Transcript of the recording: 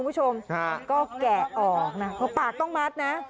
คุณผู้ชมก็แกะออกนะเพราะปากต้องมัดนะ